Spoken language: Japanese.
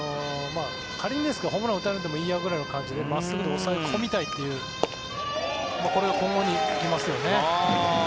仮にですが、ホームランを打たれてもいいくらいの感じで真っすぐで抑え込みたいというこれが今後に生きますよね。